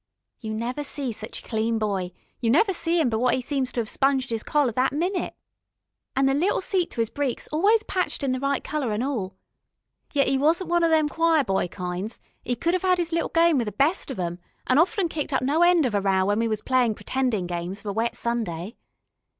You never see sich a clean boy, you never see 'im but what 'e seemed to 'ave sponged 'is collar that minute, an' the little seat to 'is breeks always patched in the right colour, an' all. Yet 'e wasn't one of them choir boy kinds, 'e could 'ave 'is little game with the best of 'em, an' often kicked up no end of a row when we was playin' pretendin' games of a wet Sunday.